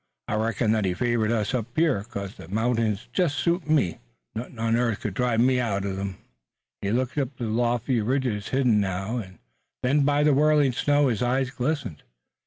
I reckon that He favored us up here, 'cause the mountings jest suit me. Nuthin' on earth could drive me out uv 'em." He looked up at the lofty ridges hidden now and then by the whirling snow, and his eyes glistened.